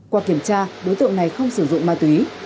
qua kiểm tra đối tượng này không sử dụng ma túy